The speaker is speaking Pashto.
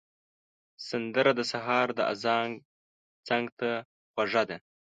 سندره د سهار د اذان څنګ ته خوږه ده